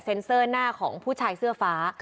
เซ็นเซอร์หน้าของผู้ใส่เสื้อฟ้า